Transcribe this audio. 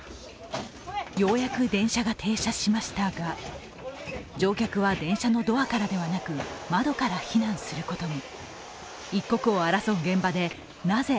ようやく電車が停車しましたが、乗客は電車のドアからではなく窓から避難することに。